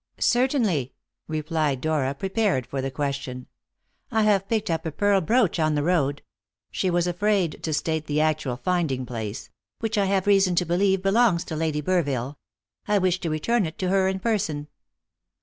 "Certainly," replied Dora, prepared for the question; "I have picked up a pearl brooch on the road" she was afraid to state the actual finding place "which I have reason to believe belongs to Lady Burville. I wish to return it to her in person."